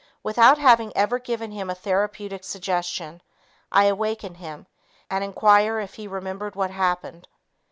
Without having ever given him a therapeutic suggestion, I awaken him and inquire if he remembered what happened.